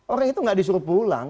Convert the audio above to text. orang itu nggak disuruh pulang